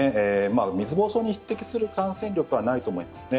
水ぼうそうに匹敵する感染力はないと思いますね。